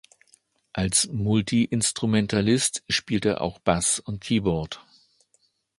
Als Multiinstrumentalist spielt er auch Bass und Keyboard.